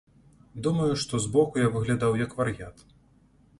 Думаю, што збоку я выглядаў як вар'ят.